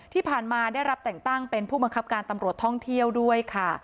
ที่ผ่านมาได้รับแต่งตั้งเป็นผู้บังคับการตำรวจท่องเที่ยวด้วยค่ะ